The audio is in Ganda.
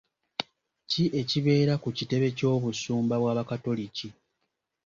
Ki ekibeera ku kitebe ky'obusumba bw'abakatoliki?